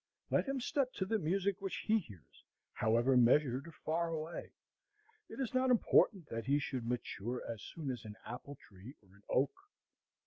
Let him step to the music which he hears, however measured or far away. It is not important that he should mature as soon as an apple tree or an oak.